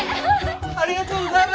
ありがとうございます！